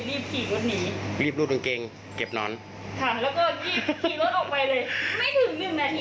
ไม่ถึง๑นาทีเขาไปถึงสามแยกแดง